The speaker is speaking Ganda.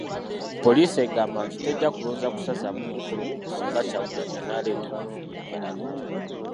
Poliisi egamba nti tejja kulonza kusazaamu mukolo guno singa Kyagulanyi anaaleeta obuvuyo e Mbarara.